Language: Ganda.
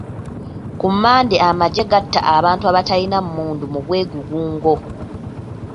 Ku Mande amagye gatta abantu abataalina mmundu mu bwegugungo.